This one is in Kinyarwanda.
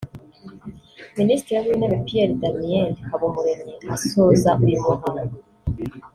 Minitiri w’Intebe Pierre Damien Habumuremyi asoza uyu muhango